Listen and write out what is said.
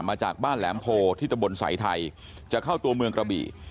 มาจากบ้านแหลมโพที่ตะบนสายไทยจะเข้าตัวเมืองกระบี่